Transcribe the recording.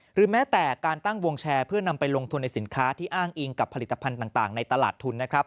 หรือแม้แต่การตั้งวงแชร์เพื่อนำไปลงทุนในสินค้าที่อ้างอิงกับผลิตภัณฑ์ต่างในตลาดทุนนะครับ